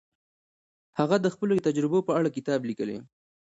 هغه د خپلو تجربو په اړه کتاب لیکلی.